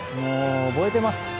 覚えてます！